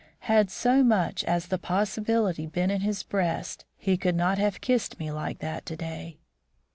Had so much as the possibility been in his breast, he could not have kissed me like that to day."